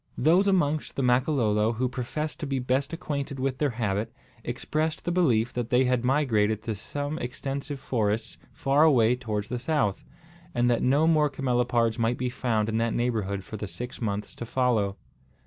Those amongst the Makololo who professed to be best acquainted with their habit, expressed the belief that they had migrated to same extensive forests far away towards the south, and that no more camelopards might be found in that neighbourhood for the six months to follow.